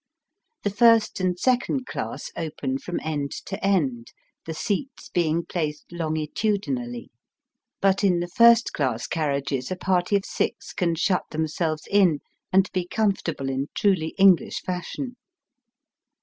The first and second class open from end to end, the seats being placed longitudinally; but in the first class carriages a party of six can shut Digitized by VjOOQIC 204 EAST BY WEST, themselves in and be comfortable in truly English fashion.